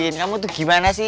kamu tuh gimana sih